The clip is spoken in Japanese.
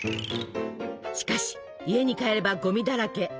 しかし家に帰ればゴミだらけ。